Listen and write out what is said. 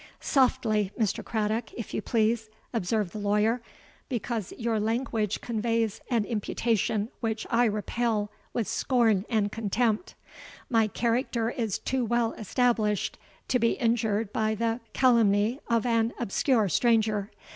'—'Softly, Mr. Craddock, if you please,' observed the lawyer; 'because your language conveys an imputation which I repel with scorn and contempt. My character is too well established to be injured by the calumny of an obscure stranger.